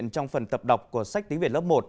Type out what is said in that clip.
trong phần tập đọc của sách tiếng việt lớp một